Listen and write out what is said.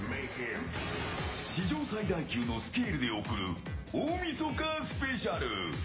史上最大級のスケールで送る大みそかスペシャル。